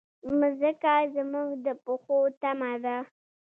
مځکه زموږ د پښو تمه ده.